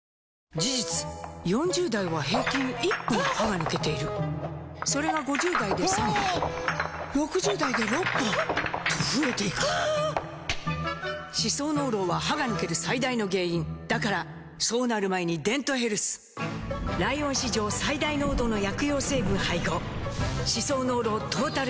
事実４０代は平均１本歯が抜けているそれが５０代で３本６０代で６本と増えていく歯槽膿漏は歯が抜ける最大の原因だからそうなる前に「デントヘルス」ライオン史上最大濃度の薬用成分配合歯槽膿漏トータルケア！